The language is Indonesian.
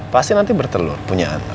pasti nanti bertelur punya